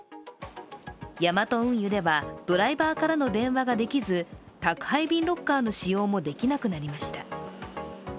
ヤマト運輸では、ドライバーからの電話ができず宅配便ロッカーの使用もできなくなりました。